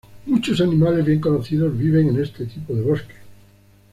Muchos animales bien conocidos viven en este tipo de bosque.